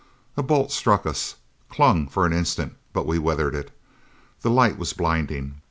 A bolt struck us, clung for an instant; but we weathered it. The light was blinding.